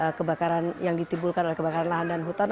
dan juga kebakaran yang ditimbulkan oleh kebakaran lahan dan hutan